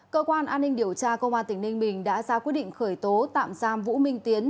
cơ quan an ninh điều tra công an tỉnh ninh bình đã ra quyết định khởi tố tạm giam vũ minh tiến